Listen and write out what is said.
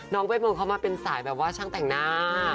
น้องเว้ยมึงเข้ามาเป็นสายแบบว่าช่างแต่งหน้า